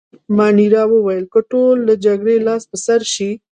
مانیرا وویل: که ټول له جګړې لاس په سر شي.